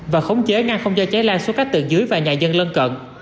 và khống chế ngăn không cho cháy lan xuống các tường dưới và nhà dân lân cận